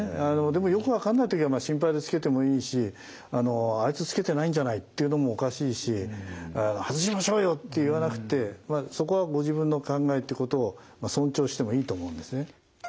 でもよく分かんない時は心配でつけてもいいしあいつつけてないんじゃない？って言うのもおかしいし外しましょうよって言わなくてそこはご自分の考えってことを尊重してもいいと思うんですね。